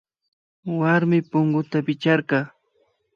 Warmi punguta wichkarka